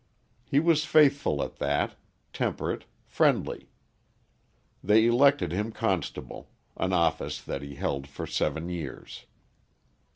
He was faithful at that, temperate, friendly. They elected him constable, an office that he held for seven years.